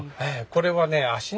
これはね